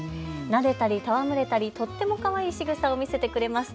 なでたり戯れたりとってもかわいいしぐさを見せてくれます。